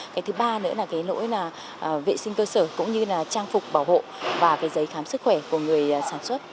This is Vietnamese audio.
cái thứ ba nữa là cái lỗi là vệ sinh cơ sở cũng như là trang phục bảo hộ và cái giấy khám sức khỏe của người sản xuất